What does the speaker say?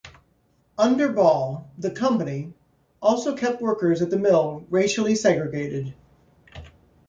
Under Ball, the company also kept workers at the mill racially segregated.